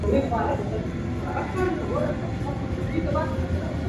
زمونږ سیاره د لمر شاوخوا ګرځي.